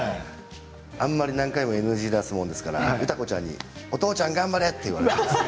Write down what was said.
あんまり何回もＮＧを出すものですから歌子ちゃんにお父ちゃん頑張れ！って言われて。